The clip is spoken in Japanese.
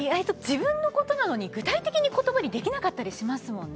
自分のことなのに具体的な言葉にできなかったりしますもんね。